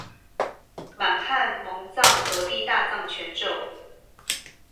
滿漢蒙藏合璧大藏全咒